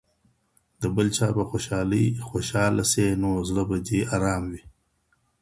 د بل چا په خوشالۍ خوشاله شې نو زړه به دې ارام وي.